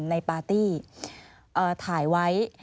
ปาร์ตี้ถ่ายไว้